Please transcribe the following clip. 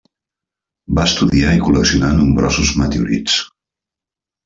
Va estudiar i col·leccionar nombrosos meteorits.